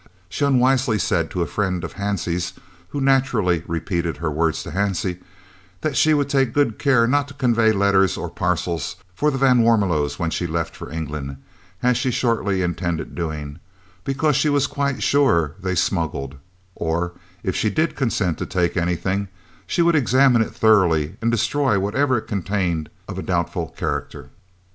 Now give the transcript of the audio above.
She unwisely said to a friend of Hansie's, who naturally repeated her words to Hansie, that she would take good care not to convey letters or parcels for the van Warmelos when she left for England, as she shortly intended doing, because she was quite sure they "smuggled," or, if she did consent to take anything, she would examine it thoroughly and destroy whatever it contained of a doubtful character.